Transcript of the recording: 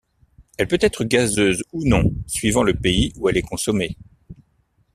Elle peut être gazeuse ou non suivant le pays où elle est consommée.